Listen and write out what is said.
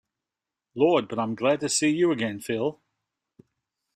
Lord, but I'm glad to see you again, Phil.